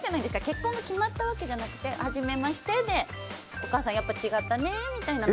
結婚が決まったわけじゃなくてはじめましてでお母さんやっぱ違ったねみたいな。